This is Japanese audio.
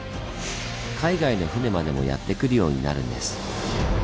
海外の船までもやって来るようになるんです。